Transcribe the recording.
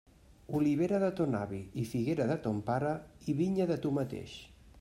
Olivera de ton avi, i figuera de ton pare, i vinya de tu mateix.